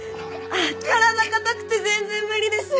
体硬くて全然無理です。